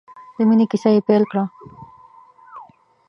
د مینې کیسه یې پیل کړه.